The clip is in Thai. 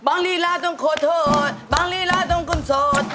บางรีดาต้องขอโทษบางรีดาต้องกลุ่นโสด